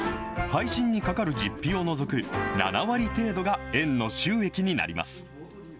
配信にかかる実費を除く７割程度が園の収益になります。